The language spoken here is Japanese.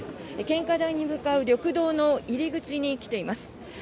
献花台に向かう緑道の入り口に来ています。